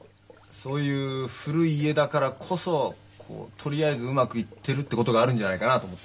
そういう古い家だからこそとりあえずうまくいってるってことがあるんじゃないかなと思ってさ。